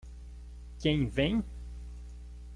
Quem vem?